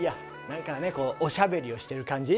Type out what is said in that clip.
なんかねこうおしゃべりをしてる感じ。